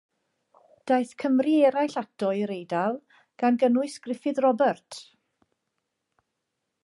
Daeth Cymry eraill ato i'r Eidal, gan gynnwys Gruffydd Robert.